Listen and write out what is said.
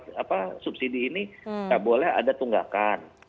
kalau dapat subsidi ini gak boleh ada tunggakan